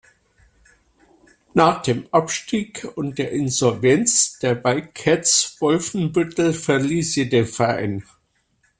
Nach dem Abstieg und der Insolvenz der Wildcats Wolfenbüttel verließ sie den Verein.